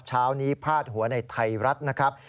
เช้านี้พาดหัวในไทยรัฐนะครับ